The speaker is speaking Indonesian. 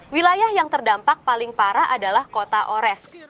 wilayah yang terdampak paling parah adalah kota ores